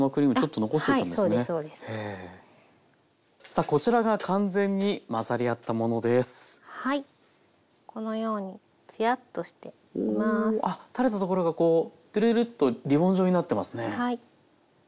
あっ垂れたところがこうトゥルルッとリボン状になってますね。